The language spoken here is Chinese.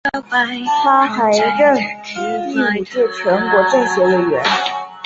他还任第五届全国政协委员。